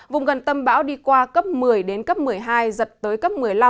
vùng gần tâm bão đi qua cấp một mươi đến cấp một mươi hai giật tới cấp một mươi năm